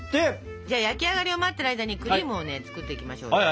じゃあ焼き上がりを待ってる間にクリームをね作っていきましょう。